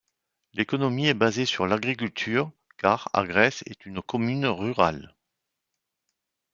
L'économie est basée sur l'agriculture, car Agres est une commune rurale.